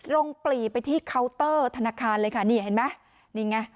ปลีไปที่เคาน์เตอร์ธนาคารเลยค่ะนี่เห็นไหมนี่ไง